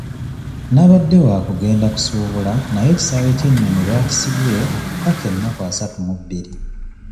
Nabadde wa kugenda kusuubula naye ekisaawe ky'ennyoni baakisibye ppaka ennaku asatu mu bbiri.